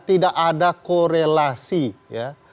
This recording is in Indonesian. tidak ada korelasi ya